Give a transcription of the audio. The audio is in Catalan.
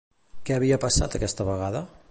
Què havia passat, aquesta vegada?